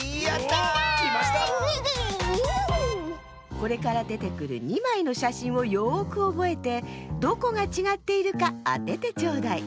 これからでてくる２まいのしゃしんをよくおぼえてどこがちがっているかあててちょうだい。